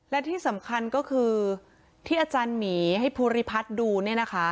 และที่สำคัญก็คือที่อาจารย์หมีให้ภูริพัฒน์ดูเนี่ยนะคะ